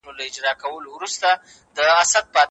که استاد درس ورکړي، نو شاګرد پوهيږي.